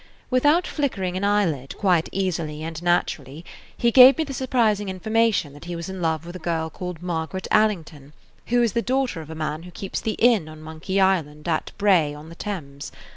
Without flickering an eyelid, quite easily and naturally, he gave me the surprising information that he was in love with a girl called Margaret Allington, who is the daughter of a man who keeps the inn on Monkey Island, at Bray on the Thames.